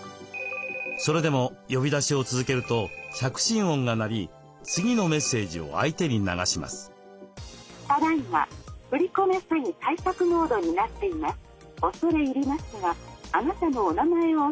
それでも呼び出しを続けると着信音が鳴り次のメッセージを相手に流します。